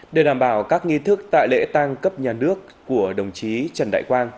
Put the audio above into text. để đảm bảo các nghi thức tại lễ tăng cấp nhà nước của đồng chí trần đại quang